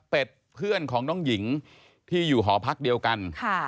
เป็นเพื่อนของน้องหญิงที่อยู่หอพักเดียวกัน